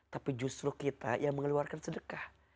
tapi justru kita yang mengeluarkan sedekah